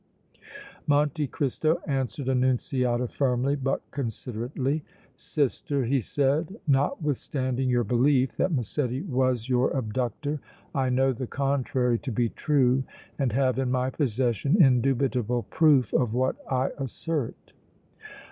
Monte Cristo answered Annunziata firmly but considerately. "Sister," he said, "notwithstanding your belief that Massetti was your abductor, I know the contrary to be true and have in my possession indubitable proof of what I assert!"